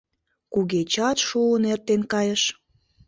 Кугечат шуын эртен кайыш.